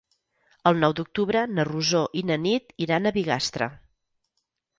El nou d'octubre na Rosó i na Nit iran a Bigastre.